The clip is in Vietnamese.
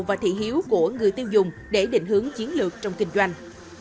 và thị hiếu của người tiêu dùng để định hướng chiến lược trong kinh doanh